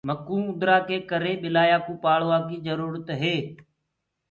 مڪوُ اُوندرآ ڪي ڪري ٻلآيآ ڪوُ پآݪوآ ڪي جرُورت هي۔